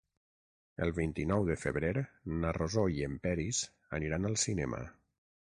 El vint-i-nou de febrer na Rosó i en Peris aniran al cinema.